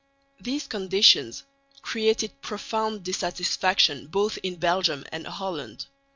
These conditions created profound dissatisfaction both in Belgium and Holland.